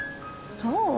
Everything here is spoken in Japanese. そう？